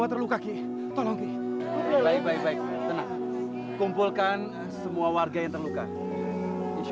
aku akan jadikan wasila korban orang jahat ini